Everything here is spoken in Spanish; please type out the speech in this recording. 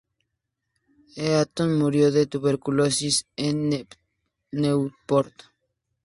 Eaton murió de tuberculosis en Newport.